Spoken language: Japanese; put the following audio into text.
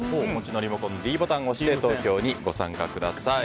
リモコンのｄボタンを押して投票にご参加ください。